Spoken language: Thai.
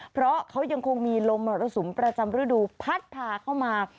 เพราะเขายังคงมีลมมรสุมประจำฤดูพัดพาเข้ามา